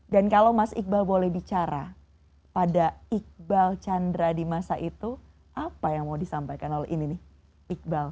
dan kalau mas iqbal boleh bicara pada iqbal chandra di masa itu apa yang mau disampaikan oleh ini nih iqbal